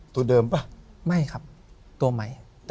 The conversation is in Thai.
ถูกต้องไหมครับถูกต้องไหมครับ